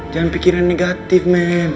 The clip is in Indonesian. jangan pikir yang negatif men